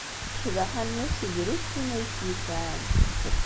Ccbaḥa-nnes drus tin ay tt-yesɛan.